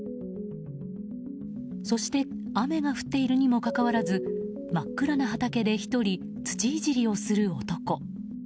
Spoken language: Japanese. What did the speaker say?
そして雨が降っているにもかかわらず真っ暗な畑で１人土いじりをする男。